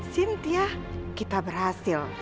cynthia kita berhasil